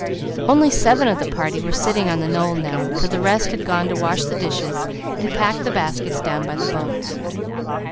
Only seven of the party were sitting on the knoll now, for the rest had gone to wash the dishes and pack the baskets down by the boats.